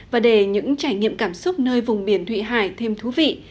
và để những trải nghiệm cảm xúc nơi vùng biển thụy hải thêm thú vị